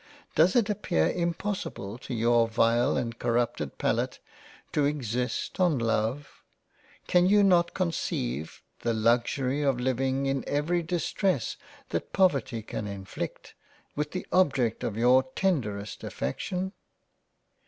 Does it appear impossible to your vile and corrupted Palate, to exist on Love ? Can you not conceive the Luxury of living in every distress that Poverty can inflict, with the object of your tenderest affection